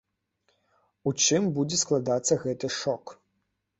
У чым будзе складацца гэты шок?